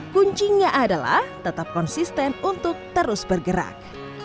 kuncinya adalah tetap konsisten untuk terus bergerak